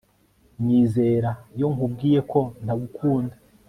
Nyizera iyo nkubwiye ko ntagukunda